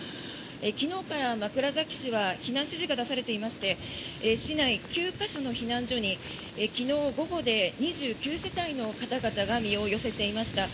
昨日から枕崎市は避難指示が出されていまして市内９か所の避難所に昨日午後で２９世帯の方々が身を寄せていました。